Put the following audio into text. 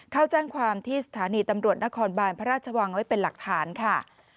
เข้าแจ้งความที่สถานีตำรวจนครบานพระราชวังไว้เป็นหลักฐานค่ะ